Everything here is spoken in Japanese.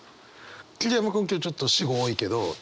桐山君今日ちょっと私語多いけど。